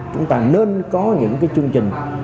chúng ta nên có những cái chương trình